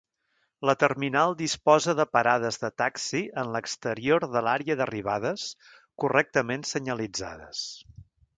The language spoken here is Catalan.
La terminal disposa de parades de taxi en l'exterior de l'àrea d'arribades correctament senyalitzades.